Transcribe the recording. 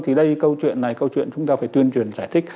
thì đây câu chuyện này câu chuyện chúng ta phải tuyên truyền giải thích